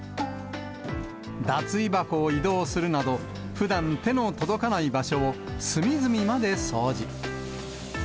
脱衣箱を移動するなど、ふだん、手の届かない場所を隅々まで掃除。